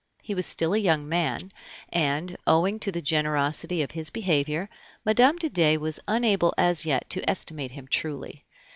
He was still a young man, and, owing to the generosity of his behavior, Mme. de Dey was unable as yet to estimate him truly.